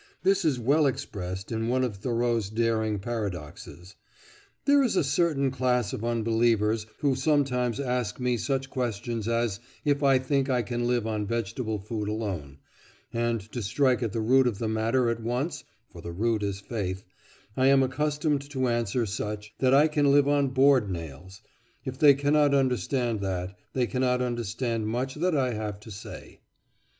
This is well expressed in one of Thoreau's daring paradoxes: "There is a certain class of unbelievers who sometimes ask me such questions as if I think I can live on vegetable food alone; and to strike at the root of the matter at once—for the root is faith—I am accustomed to answer such, that I can live on board nails. If they cannot understand that, they cannot understand much that I have to say."